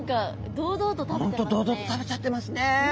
本当堂々と食べちゃってますね。